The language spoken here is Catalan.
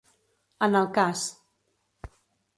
En el cas.